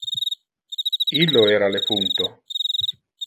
Illo era le puncto.